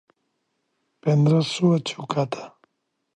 Prendre-s'ho a xacota.